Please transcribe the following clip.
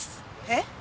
えっ？